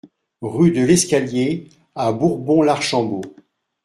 Rue de l'Escalier à Bourbon-l'Archambault